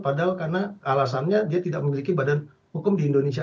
padahal karena alasannya dia tidak memiliki badan hukum di indonesia